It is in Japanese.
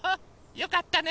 よかったね。